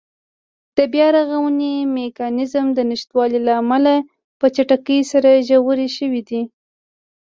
د بیا رغونې میکانېزم د نشتوالي له امله په چټکۍ سره ژورې شوې دي.